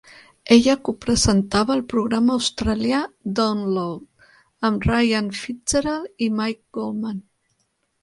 Ella co-presentava el programa australià "Download" amb Ryan Fitzgerald i Mike Goldman.